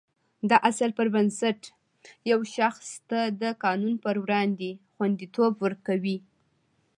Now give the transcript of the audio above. دا اصل پر بنسټ یو شخص ته د قانون په وړاندې خوندیتوب ورکوي.